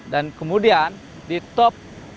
dan kemudian di top